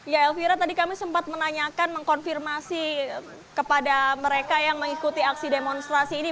ya elvira tadi kami sempat menanyakan mengkonfirmasi kepada mereka yang mengikuti aksi demonstrasi ini